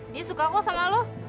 dia suka oh sama lo